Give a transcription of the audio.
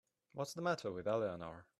What's the matter with Eleanor?